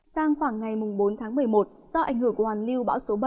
sang khoảng ngày bốn tháng một mươi một do ảnh hưởng của hoàn lưu bão số bảy